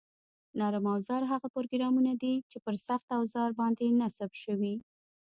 نرم اوزار هغه پروګرامونه دي چې پر سخت اوزار باندې نصب شوي